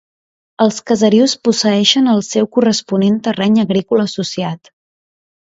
Els caserius posseïxen el seu corresponent terreny agrícola associat.